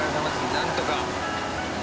なんとか。